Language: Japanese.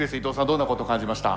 どんなことを感じました？